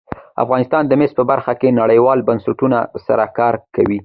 افغانستان د مس په برخه کې نړیوالو بنسټونو سره کار کوي.